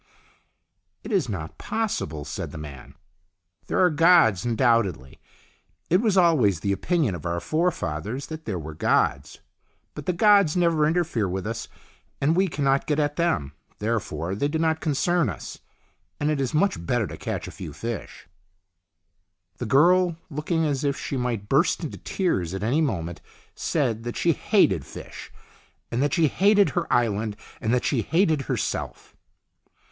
" It is not possible," said the man. " There are gods undoubtedly. It was always the opinion of our forefathers that there were gods, but the gods never interfere with us and we cannot get at them. Therefore they do not concern us, and it is much better to catch a few fish." The girl, looking as if she might burst into tears at any moment, said that she hated fish, and that she hated her island, and that she hated herself.